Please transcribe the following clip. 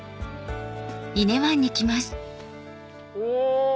お！